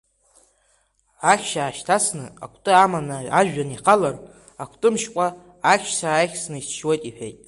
Ахьшь аашьҭасны акәты аманы ажәҩан ихалар, акәты мшькәа ахьшь сааихсны исшьуеит, — иҳәеит.